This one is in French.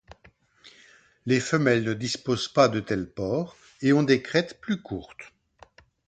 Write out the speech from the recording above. Les femelles ne disposent pas de tels pores et ont des crêtes plus courtes.